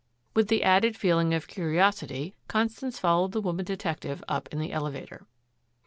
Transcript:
With the added feeling of curiosity, Constance followed the woman detective up in the elevator.